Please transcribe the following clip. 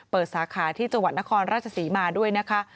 สาขาที่จังหวัดนครราชศรีมาด้วยนะคะ